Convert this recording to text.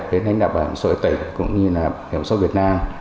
đến hành động bảo hiểm xã hội tỉnh cũng như bảo hiểm xã hội việt nam